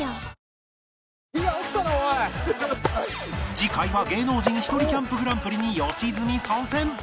次回は芸能人ひとりキャンプグランプリに良純参戦！